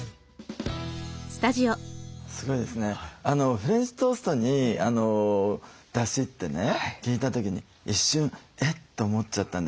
フレンチトーストにだしってね聞いた時に一瞬え？って思っちゃったんですよね。